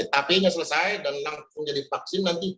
hp nya selesai dan langsung jadi vaksin nanti